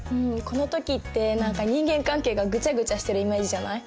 この時って何か人間関係がぐちゃぐちゃしてるイメージじゃない？